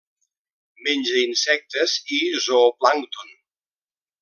Menja insectes i zooplàncton.